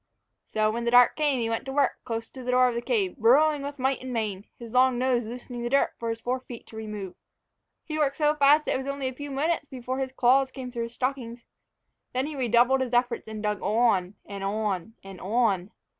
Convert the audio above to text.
So when the dark came on, he went to work, close to the door of the cave, burrowing with might and main, his long nose loosening the dirt for his fore feet to remove. He worked so fast that it was only a few minutes before his claws came though his stockings. Then he redoubled his efforts, and dug on, and on, and on.